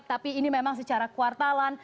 tapi ini memang secara kuartalan